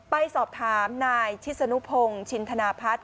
ไปสอบถามนายชิสนุพงศ์ชินธนาพัฒน์